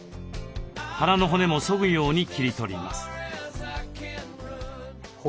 腹の骨もそぐように切り取ります。